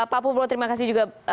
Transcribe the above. pak pubro terima kasih juga